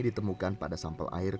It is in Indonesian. ditemukan pada sampel air